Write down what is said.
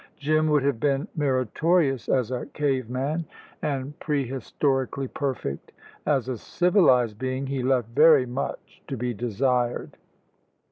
Jim would have been meritorious as a cave man, and pre historically perfect. As a civilised being he left very much to be desired.